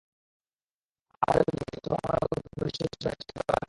আমার দুর্ভাগ্য, চন্দ্র ভ্রমণের অভিজ্ঞতা হরিষে বিষাদ হয়ে চিরটাকাল থেকে যাবে।